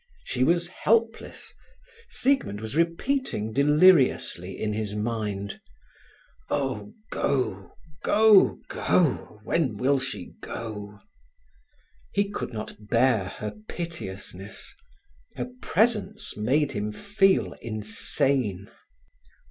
She was helpless. Siegmund was repeating deliriously in his mind: "Oh—go—go—go—when will she go?" He could not bear her piteousness. Her presence made him feel insane.